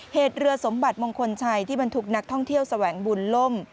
เหตุเรือสมบัติมงคลชัยที่บรรทุกนักท่องเที่ยวแสวงบุญล่ม